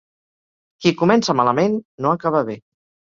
Qui comença malament no acaba bé.